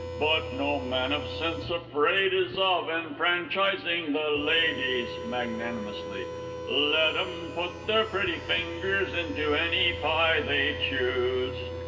But no man of sense afraid is of enfranchising the Ladies. (Magnanimously.) Let 'em put their pretty fingers into any pie they choose!